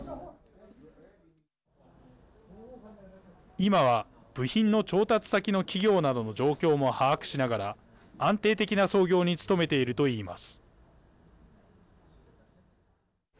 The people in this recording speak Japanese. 今は部品の調達先の企業などの状況も把握しながら安定的な操業に努めていると言います。